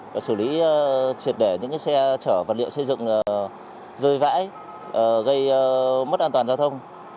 và xử lý triệt để những xe chở vật liệu xây dựng rơi vãi gây mất an toàn giao thông